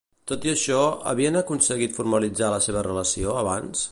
Tot i això, havien aconseguit formalitzar la seva relació abans?